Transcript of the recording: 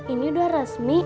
ini udah resmi